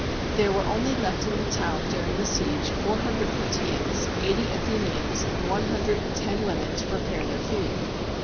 There were only left in the town during the siege four hundred Plataeans, eighty Athenians, and one hundred and ten women to prepare their food.